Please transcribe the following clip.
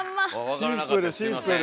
シンプルシンプル！